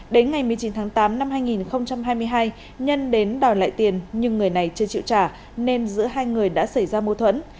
đến ngày một mươi chín tháng tám năm hai nghìn hai mươi hai nhân đến đòi lại tiền nhưng người này chưa chịu trả nên giữa hai người đã xảy ra mâu thuẫn